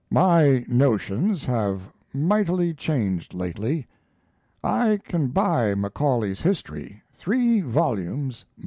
My notions have mightily changed lately. I can buy Macaulay's History, three vols.